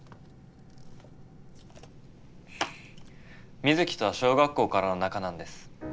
水城とは小学校からの仲なんです。